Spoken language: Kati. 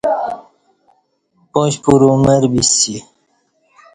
پاشپُرو مر بی سی